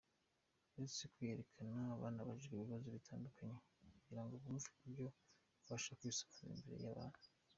Uretse kwiyerekana banabajijwe ibibazo bitandukanye kugirango bumve uburyo babasha kwisobanura imbere y'abantu.